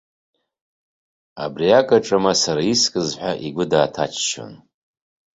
Абри ак аҿы ма сара искыз ҳәа игәы дааҭаччон.